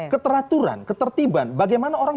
keteraturan ketertiban bagaimana orang